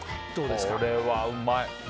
これはうまい。